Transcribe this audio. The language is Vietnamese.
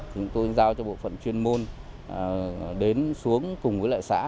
chúng tôi giao cho bộ phận chuyên môn đến xuống cùng với lại xã